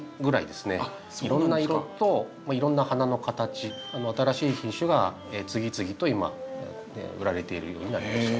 いろんな色といろんな花の形新しい品種が次々と今売られているようになりました。